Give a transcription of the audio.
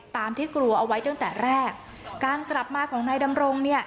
ที่กลัวเอาไว้ตั้งแต่แรกการกลับมาของนายดำรงเนี่ย